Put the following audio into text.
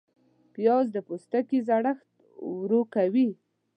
پیاز د پوستکي زړښت ورو کوي